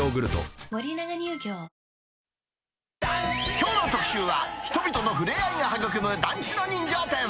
きょうの特集は、人々のふれあいが育む団地の人情店。